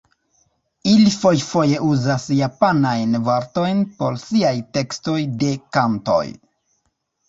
Ili fojfoje uzas japanajn vortojn por siaj tekstoj de kantoj.